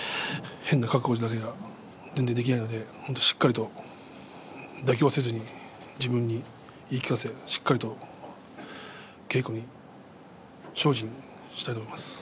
変な覚悟だけでは全然できないのでしっかりと妥協せずに自分に言い聞かせるように稽古に精進したいと思います。